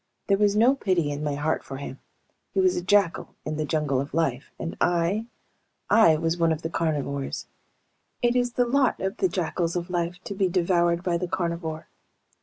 There was no pity in my heart for him. He was a jackal in the jungle of life, and I ... I was one of the carnivores. It is the lot of the jackals of life to be devoured by the carnivore.